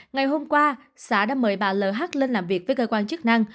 ngày hôm qua xã đã mời bà lh lên làm việc với cơ quan chức năng